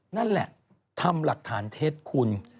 นั่นแหละทำหลักฐานเท็จคุณ